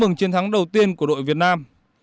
chương trình thắng đầu tiên của đội việt nam